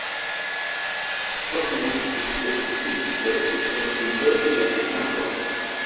Krome mankis edukistoj por prizorgi la knabon.